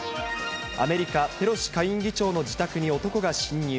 アメリカ、ペロシ下院議長の自宅に男が侵入。